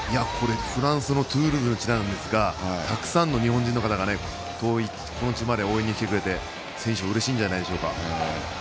フランスのトゥールーズの地なんですがたくさんの日本人の方がこの地まで応援に来てくださって選手もうれしいんじゃないでしょうか。